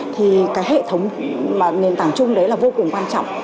thì cái hệ thống nền tảng chung đấy là vô cùng quan trọng